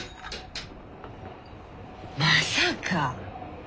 まさか！